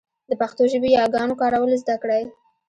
د پښتو ژبې ياګانو کارول زده کړئ.